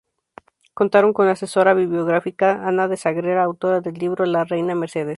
Contaron con la asesora biográfica Ana de Sagrera, autora del libro "La Reina Mercedes".